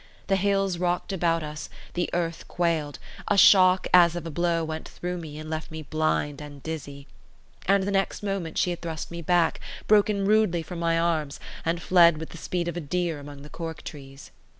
The hills rocked about us, the earth quailed; a shock as of a blow went through me and left me blind and dizzy. And the next moment she had thrust me back, broken rudely from my arms, and fled with the speed of a deer among the cork trees.